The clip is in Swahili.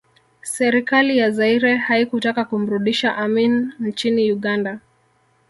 Serikali ya Zaire haikutaka kumrudisha Amin nchini Uganda